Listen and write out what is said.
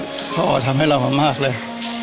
พ่อทำให้เรามากเลย